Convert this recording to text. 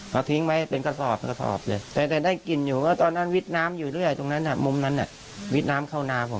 เอาทิ้งไว้เป็นกระสอบกระสอบเลยแต่ได้กลิ่นอยู่ก็ตอนนั้นวิดน้ำอยู่ด้วยตรงนั้นมุมนั้นวิทย์น้ำเข้านาผม